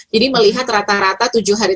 jadi melihat rata rata tujuh hari